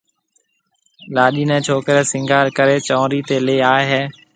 لاڏِي نيَ ڇوڪرَي سينگھار ڪريَ چنورِي تيَ ليَ آئيَ ھيََََ